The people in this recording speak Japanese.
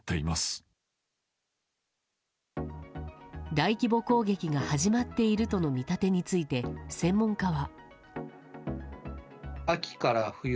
大規模攻撃が始まっているとの見立てについて専門家は。